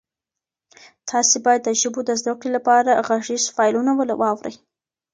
تاسي باید د ژبو د زده کړې لپاره غږیز فایلونه واورئ.